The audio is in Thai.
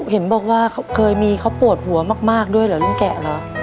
เห็นบอกว่าเคยมีเขาปวดหัวมากด้วยเหรอลุงแกะเหรอ